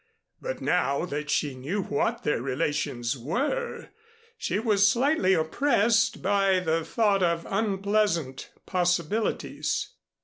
But now that she knew what their relations were, she was slightly oppressed by the thought of unpleasant possibilities.